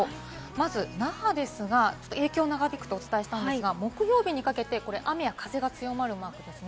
まず那覇ですが、影響が長引くとお伝えしたんですが、木曜日にかけて雨や風が強まるマークです。